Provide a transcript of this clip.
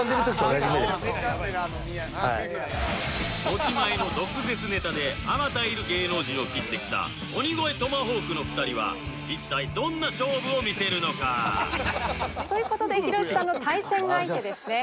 持ち前の毒舌ネタで数多いる芸能人を切ってきた鬼越トマホークの２人は一体どんな勝負を見せるのか？という事でひろゆきさんの対戦相手ですね